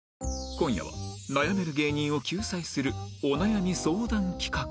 今夜は悩める芸人を救済するお悩み相談企画